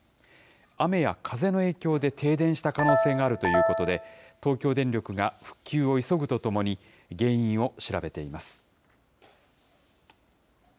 雨や風の影響で停電した可能性があるということで、東京電力が復旧を急ぐとともに、原因を調べています。